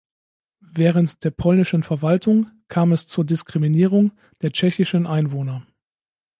Während der polnischen Verwaltung kam es zur Diskriminierung der tschechischen Einwohner.